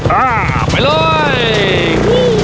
อ่าไปเลยวู้